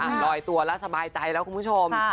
หลอยตัวแล้วสบายใจคนผู้ชม